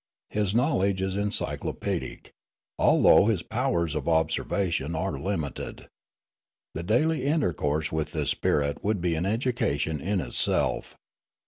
His knowledge is encyclopedic, although his powers of observation are limited. The daily intercourse with his spirit would be an education in itself.